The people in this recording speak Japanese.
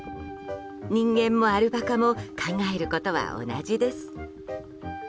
人間もアルパカも考えることは同じです。